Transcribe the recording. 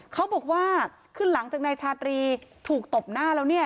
เขาบอกว่าขึ้นหลังจากนายชาตรีถูกตบหน้าแล้วเนี่ย